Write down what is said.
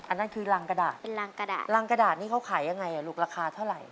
อันนั้นคือรางกระดาษรางกระดาษนี่เค้าขายยังไงลูกราคาเท่าไร